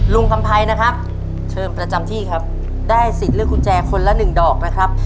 คำภัยนะครับเชิญประจำที่ครับได้สิทธิ์เลือกกุญแจคนละหนึ่งดอกนะครับ